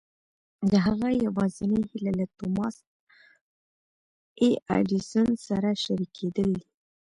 د هغه يوازېنۍ هيله له توماس اې ايډېسن سره شريکېدل دي.